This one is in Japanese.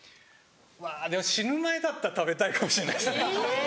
まぁでも死ぬ前だったら食べたいかもしれないですね。